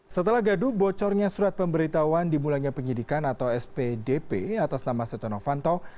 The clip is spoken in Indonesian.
setelah gaduh bocornya surat pemberitahuan dimulainya penyidikan atau spdp atas nama setonofanto